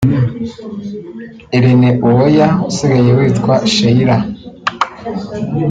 Irene Uwoya [usigaye witwa Sheilla]